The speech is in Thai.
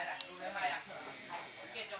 แล้วพวกเราจะมากกว่า